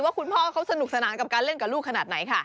คุณพ่อเขาสนุกสนานกับการเล่นกับลูกขนาดไหนค่ะ